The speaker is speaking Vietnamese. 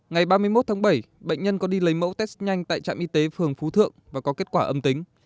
ngày ba mươi một tháng bảy bệnh nhân có đi lấy mẫu test nhanh tại trạm y tế phường phú thượng và có kết quả âm tính